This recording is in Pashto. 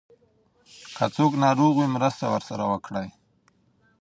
که څوک ناروغ وي مرسته ورسره وکړئ.